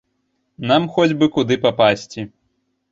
Нам хоць бы куды папасці.